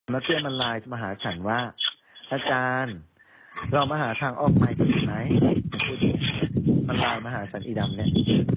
แล้วเจ้ามันลายมาหาฉันว่าอาจารย์เรามาหาทางออกมากันไหมมันลายมาหาฉันอีดำเนี่ย